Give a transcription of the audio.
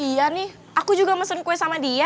iya nih aku juga mesen kue sama dia